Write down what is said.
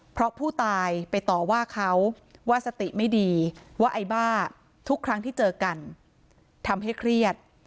เพราะผู้ตายไปต่อว่าเขาว่าสติไม่ดีว่าไอ้บ้าทุกครั้งที่เจอกันทำให้เครียด